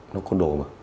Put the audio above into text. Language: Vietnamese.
nó con đồ mà